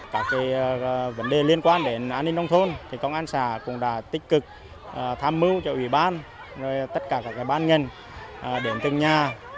các vấn đề liên quan đến an ninh nông thôn công an xã cũng đã tích cực tham mưu cho ủy ban tất cả các ban nhân đến từng nhà